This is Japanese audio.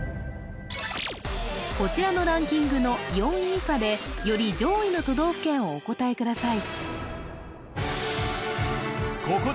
こちらのランキングの４位以下でより上位の都道府県をお答えください